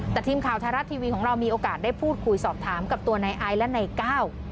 แต่ทีมข่าวไทยรัฐทีวีของเรามีโอกาสได้พูดคุยสอบถามกับตัวนายไอซ์และนายก้าว